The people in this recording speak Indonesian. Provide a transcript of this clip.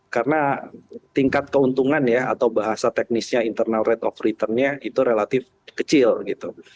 karena tingkat keuntungan ya atau bahasa teknisnya internal rate of returnnya itu relatif kecil gitu